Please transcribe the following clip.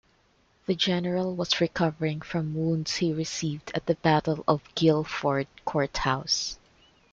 The general was recovering from wounds he received at the Battle of Guilford Courthouse.